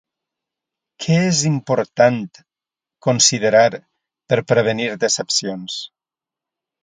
Què és important considerar per prevenir decepcions?